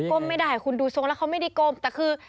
ไม่ได้คุณดูทรงแล้วเขาไม่ได้ก้มแต่คือ